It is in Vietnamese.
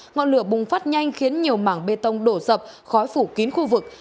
ngọn lửa bùng phát nhanh khiến nhiều mảng bê tông đổ sập khói phủ kín khu vực